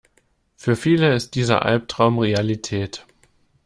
Für viele ist dieser Albtraum Realität.